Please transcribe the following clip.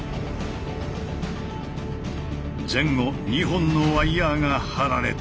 前後２本のワイヤーが張られた。